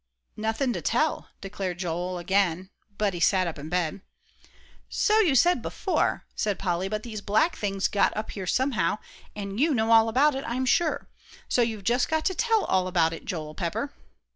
"Nothin' to tell," declared Joel, again; but he sat up in bed. "So you said before," said Polly; "but these black things got up here somehow, and you know all about it, I'm sure. So you've just got to tell all about it, Joel Pepper."